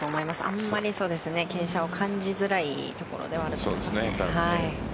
あまり傾斜を感じづらいところではあると思います。